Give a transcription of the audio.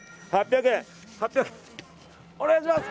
８００円、お願いします！